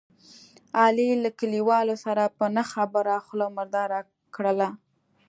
علي له کلیوالو سره په نه خبره خوله مرداره کړله.